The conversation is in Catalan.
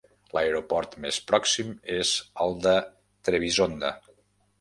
L'aeroport més pròxim és el de Trebisonda.